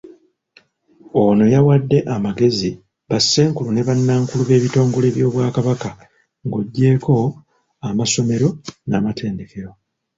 Ono yawade amagezi, ba ssenkulu ne ba nnankulu ab'ebitongole by'Obwakabaka ng'ogyeko amasomero n'amatendekero.